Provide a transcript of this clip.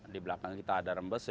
di belakang kita ada rembes